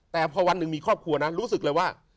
แต่พอวันหนึ่งมีครอบครัวนั้นรู้สึกเลยว่า